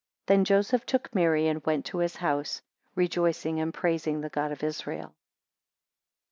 22 Then Joseph took Mary, and went to his house, rejoicing and praising the God of Israel.